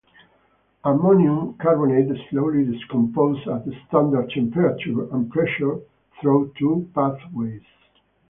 Ammonium carbonate slowly decomposes at standard temperature and pressure through two pathways.